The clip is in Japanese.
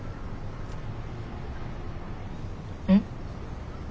うん？